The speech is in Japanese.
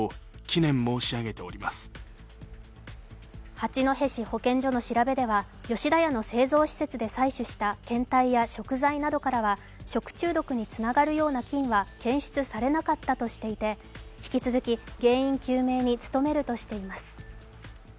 八戸市保健所の調べでは吉田屋の製造施設で採取した検体や食材などからは食中毒につながるような菌は検出されなかったとしていて、引き続き原因究明に努めるとしています。